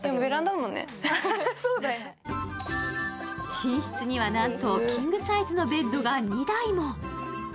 寝室にはなんとキングサイズのベッドが２台も。